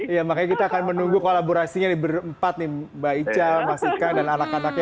iya makanya kita akan menunggu kolaborasinya nih berempat nih mbak ica mas ika dan anak anaknya